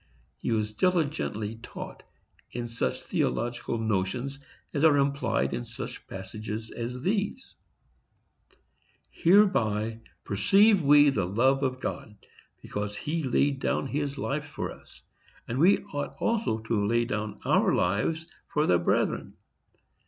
He was diligently taught in such theological notions as are implied in such passages as these: "Hereby perceive we the love of God, because he laid down his life for us; and we ought also to lay down our lives for the brethren.